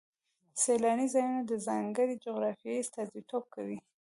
سیلاني ځایونه د ځانګړې جغرافیې استازیتوب کوي.